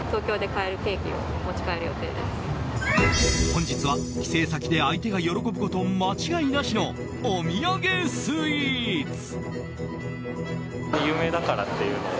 本日は帰省先で相手が喜ぶこと間違いなしのお土産スイーツ。